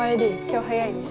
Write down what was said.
今日早いね。